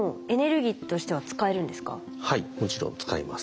はいもちろん使えます。